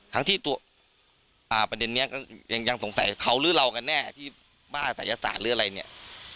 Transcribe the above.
ทั้งที่ตัวประเด็นนี้ก็ยังสงสัยเขาหรือเรากันแน่ที่บ้าศัยศาสตร์หรืออะไรเนี่ย